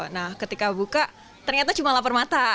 nah ketika buka ternyata cuma lapar mata